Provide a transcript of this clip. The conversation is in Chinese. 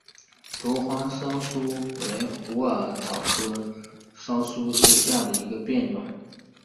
多花溲疏为虎耳草科溲疏属下的一个变种。